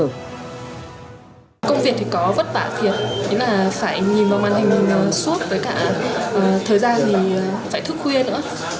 công việc thì có vất vả thiệt phải nhìn vào màn hình suốt với cả thời gian thì phải thức khuya nữa